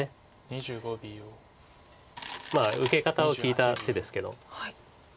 まあ受け方を聞いた手ですけど。